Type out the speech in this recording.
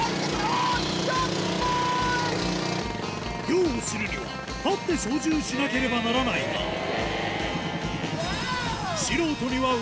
漁をするには立って操縦しなければならないがうわぁ！